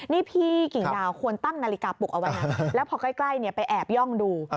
นี่พี่กิ่งดาวควรตั้งนาฬิกาปลุกเอาไว้นะแล้วพอใกล้ไปแอบย่องดู